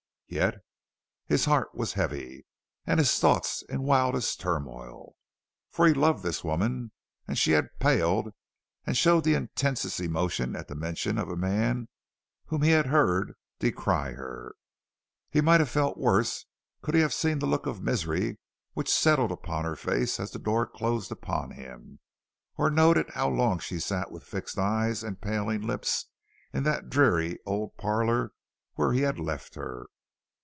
Yet his heart was heavy and his thoughts in wildest turmoil; for he loved this woman and she had paled and showed the intensest emotion at the mention of a man whom he had heard decry her. He might have felt worse could he have seen the look of misery which settled upon her face as the door closed upon him, or noted how long she sat with fixed eyes and paling lips in that dreary old parlor where he had left her.